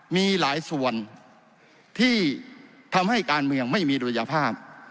มีหลายส่วนที่ทำให้การเมืองไม่มีดุลยภาพ